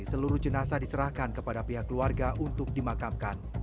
seluruh jenazah diserahkan kepada pihak keluarga untuk dimakamkan